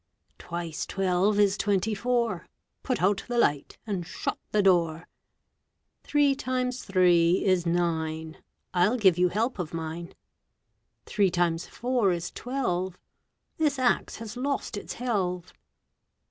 Twice twelve is twenty four, Put out the light, and shut the door. Three times three is nine, I'll give you help of mine. Three times four is twelve, This axe has lost its helve.